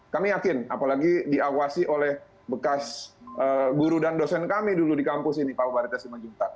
kami yakin apalagi diawasi oleh bekas guru dan dosen kami dulu di kampus ini pak ubarita simanjuntak